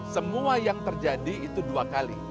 semua yang terjadi itu dua kali